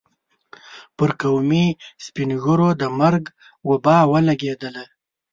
پر قومي سپين ږيرو د مرګ وبا ولګېدله.